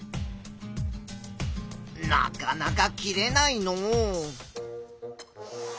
なかなか切れないのう。